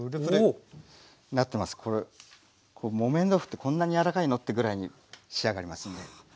木綿豆腐ってこんなに柔らかいの？ってぐらいに仕上がりますんで。